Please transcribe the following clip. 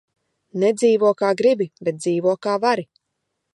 Nedzīvo, kā gribi, bet dzīvo, kā vari.